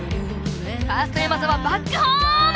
ファースト山澤バックホーム！